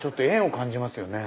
感じますね